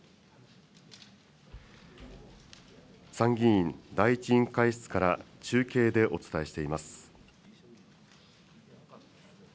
参議院第１委員会室から中継でお伝えしています。